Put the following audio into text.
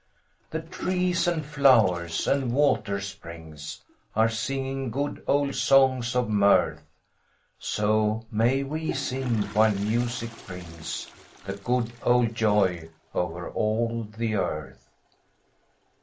The trees and flowers and watersprings Are singing good old songs of mirth, So may we sing while music brings The good old joy o'er all the earth.